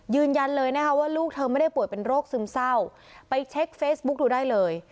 ยืนยันเลยนะคะว่าลูกเธอไม่ได้ป่วยเป็นโรคซึมเศร้าไปเช็คเฟซบุ๊คดูได้เลย